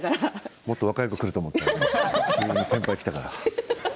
もっと若い子が来るかと思ったら先輩が来たから。